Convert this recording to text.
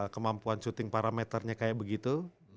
kemampuan shooting parameter nya kayak begitu